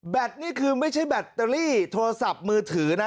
นี่คือไม่ใช่แบตเตอรี่โทรศัพท์มือถือนะ